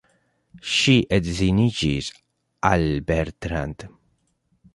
Ŝi edziniĝis al Bertrand.